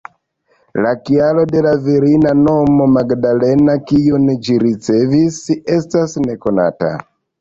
La kialo de la virina nomo, ""Magdalena"", kiun ĝi ricevis, estas nekonata.